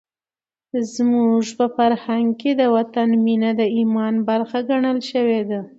زموږ په فرهنګ کې د وطن مینه د ایمان برخه ګڼل شوې ده.